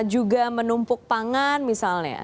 juga menumpuk pangan misalnya